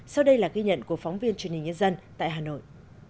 sau đây là ghi nhận của phóng viên truyền hình nhân dân tại hà nội